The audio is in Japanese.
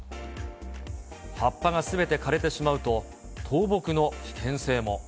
葉っぱがすべて枯れてしまうと倒木の危険性も。